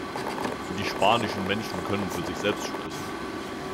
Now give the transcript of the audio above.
Die spanischen Menschen können für sich selbst sprechen.